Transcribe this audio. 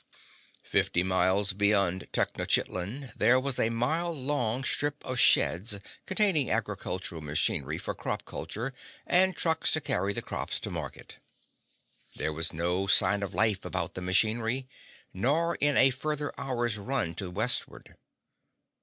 Fifty miles beyond Tenochitlan there was a mile long strip of sheds containing agricultural machinery for crop culture and trucks to carry the crops to market. There was no sign of life about the machinery, nor in a further hour's run to westward.